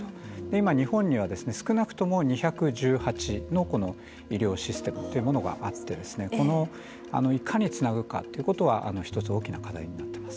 今、日本には少なくとも２１８の医療システムというものがあっていかにつなぐかということは１つ大きな課題になっています。